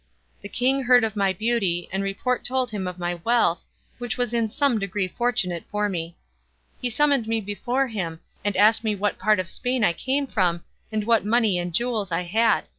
The king heard of my beauty, and report told him of my wealth, which was in some degree fortunate for me. He summoned me before him, and asked me what part of Spain I came from, and what money and jewels I had.